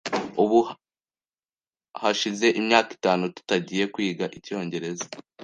Ubu hashize imyaka itanu tutangiye kwiga icyongereza.